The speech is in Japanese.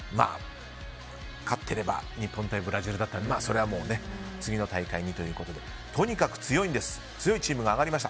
勝っていれば日本対ブラジルだったんですがそれはもう次の大会にということでとにかく強いチームが上がりました。